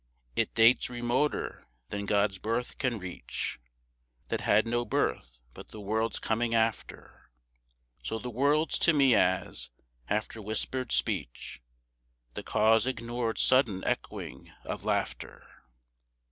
It dates remoter than God's birth can reach, That had no birth but the world's coming after. So the world's to me as, after whispered speech, The cause ignored sudden echoing of laughter.